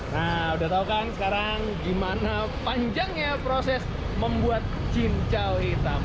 nah udah tau kan sekarang gimana panjangnya proses membuat cincau hitam